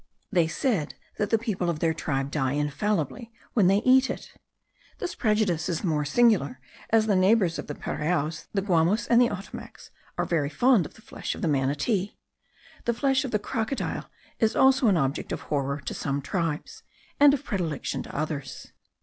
They said that the people of their tribe die infallibly when they eat of it. This prejudice is the more singular, as the neighbours of the Piraoas, the Guamos and the Ottomacs, are very fond of the flesh of the manatee. The flesh of the crocodile is also an object of horror to some tribes, and of predilection to others.